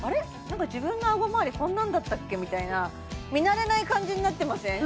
なんか自分のあごまわりこんなんだったっけみたいな見慣れない感じになってません？